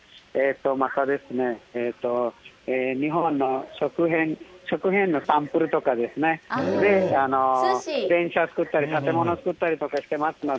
またですね、日本の食品のサンプルとかですね。電車作ったり、建物作ったりとかしてますので。